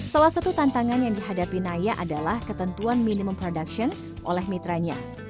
salah satu tantangan yang dihadapi naya adalah ketentuan minimum production oleh mitranya